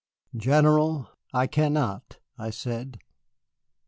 "General, I cannot," I said.